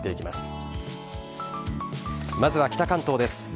まずは北関東です。